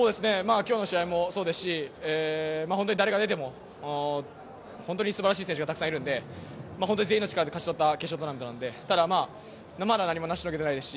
今日の試合もそうですし本当に誰が出ても本当に素晴らしい選手がたくさんいるんで本当に全員の力で勝ち取った決勝トーナメントなのでまだ何も成し遂げてないですし